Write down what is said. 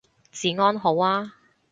治安好啊